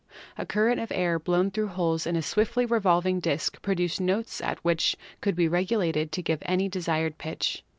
A current of air blown through holes in a swiftly revolving disk pro duced notes which could be regulated to give any desired pitch.